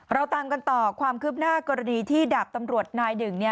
เราตามกันต่อความคืบหน้ากรณีที่ดาบตำรวจนายหนึ่ง